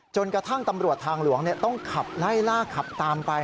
จนกระทั่งตำรวจทางหลวงต้องขับไล่ล่าขับตามไป